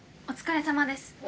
お疲れさまです。